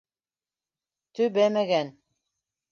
Төбәмәгән.